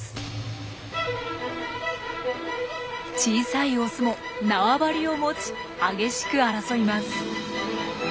小さいオスもなわばりを持ち激しく争います。